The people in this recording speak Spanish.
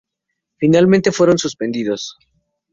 Finalmente fueron suspendidos.